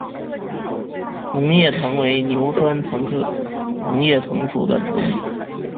红叶藤为牛栓藤科红叶藤属的植物。